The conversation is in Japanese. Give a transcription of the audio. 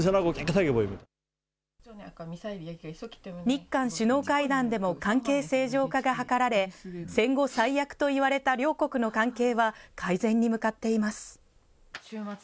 日韓首脳会談でも関係正常化が図られ、戦後最悪といわれた両国の関係は、改善に向かっています。